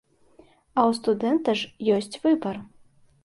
А ў студэнта ж ёсць выбар.